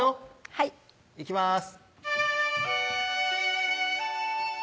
はいいきます